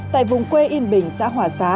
tại vùng quê yên bình xã hỏa xá